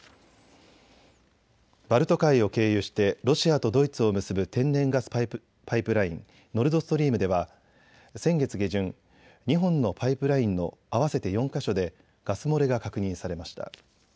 バルト海を経由してロシアとドイツを結ぶ天然ガスパイプライン、ノルドストリームでは先月下旬、日本のパイプラインの合わせて４か所でガス漏れが確認されました。